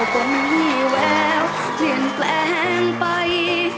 คนมี่แววเปลี่ยนแปลงไป